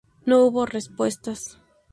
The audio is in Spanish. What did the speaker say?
No hubo respuesta.